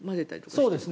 そうですね。